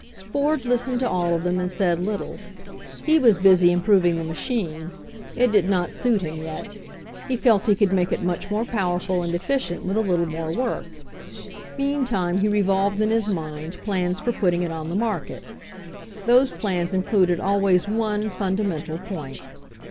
Ford listened to all of them and said little. He was busy improving the machine; it did not suit him yet ; he felt he could make it much more pow erful and efficient with a little more work. Mean time he revolved in his mind plans for putting it on the market. Those plans included always one fundamental point.